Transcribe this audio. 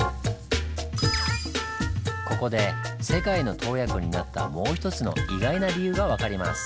ここで「世界の洞爺湖」になったもう一つの意外な理由が分かります。